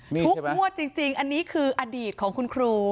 ทุกงวดจริงอันนี้คืออดีตของคุณครู